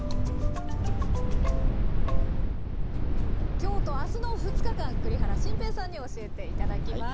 今日と明日の２日間栗原心平さんに教えて頂きます。